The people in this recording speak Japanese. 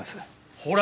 ほら！